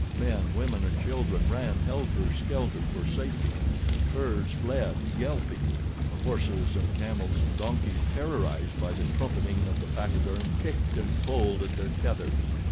Men, women and children ran helter skelter for safety. Curs fled, yelping. The horses and camels and donkeys, terrorized by the trumpeting of the pachyderm, kicked and pulled at their tethers.